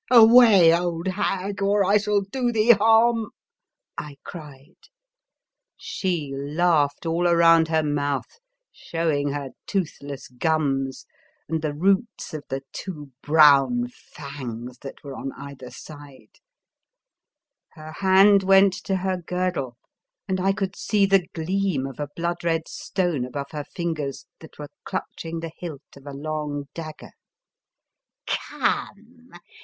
*' Away old hag, or I shall do thee harm!" I cried. She laughed all around her mouth, showing her toothless gums, and the roots of the two brown fangs that were on either side. Her hand went to her girdle, and I could see the gleam of a blood red stone above her fingers 78 The Fearsome Island that were clutching the hilt of a long dagger. " Come!